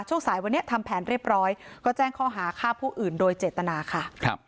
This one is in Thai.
ช่วงสายวันนี้ทำแผนเรียบร้อยก็แจ้งข้อหาฆ่าผู้อื่นโดยเจตนาค่ะ